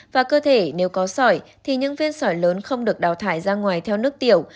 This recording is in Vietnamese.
và cơ thể nếu có sỏi thì những viên sỏi lớn không được đào thải ra ngoài theo nước tiểu